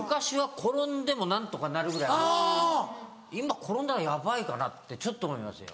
今転んだらヤバいかなってちょっと思いますよ。